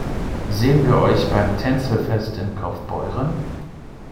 Sehen wir euch beim Tänzelfest in Kaufbeuren?